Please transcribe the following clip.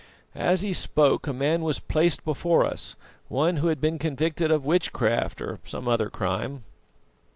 "As he spoke a man was placed before us, one who had been convicted of witchcraft or some other crime.